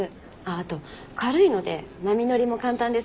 あと軽いので波乗りも簡単です。